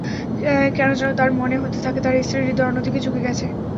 কেন যেন তাঁর মনে হতে থাকে, তাঁর স্ত্রীর হৃদয় অন্যদিকে ঝুঁকে আছে।